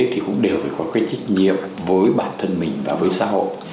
thì cũng đều phải có cái trách nhiệm với bản thân mình và với xã hội